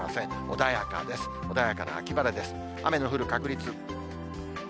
穏やかな秋晴れです。